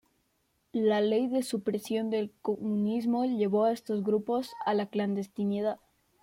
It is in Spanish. La Ley de Supresión del Comunismo llevó a estos grupos a la clandestinidad.